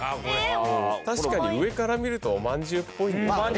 確かに上から見るとおまんじゅうっぽい。